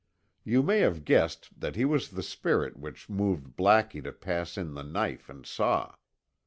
You may have guessed that he was the spirit which moved Blackie to pass in the knife and saw.